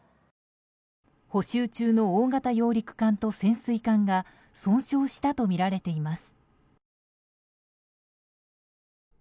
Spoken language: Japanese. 補修中の大型揚陸艦と潜水艦が損傷したとみられています。